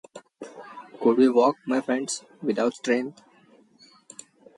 Could we walk, my friends, without strength?